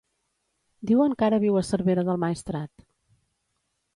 Diuen que ara viu a Cervera del Maestrat.